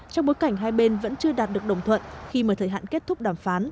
trong bối cảnh hai bên vẫn chưa đạt được đồng thuận khi mà thời hạn kết thúc đàm phán